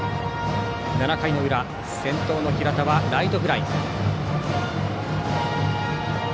７回の裏先頭の平田はライトフライ。